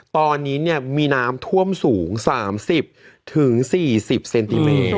ตอนนี้มีน้ำท่วมสูง๓๐๔๐เซนติเมตร